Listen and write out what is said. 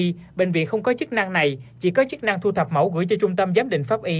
tuy nhiên bệnh viện không có chức năng này chỉ có chức năng thu thập mẫu gửi cho trung tâm giám định pháp y